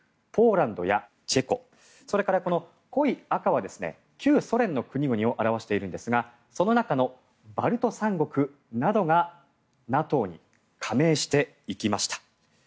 ポーランドやチェコそれから濃い赤は旧ソ連の国々を表しているんですがその中のバルト三国などがＮＡＴＯに加盟していきました。